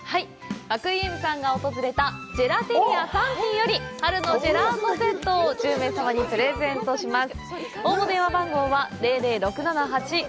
和久井映見さんが訪れたジェラテリア・サンティより春のジェラートセットを１０名様にプレゼントします。